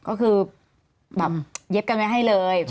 ก็คือเย็บกันไงให้เลย